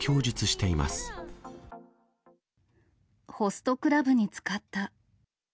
ホストクラブに使った。